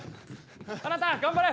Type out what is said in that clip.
あなた頑張れ！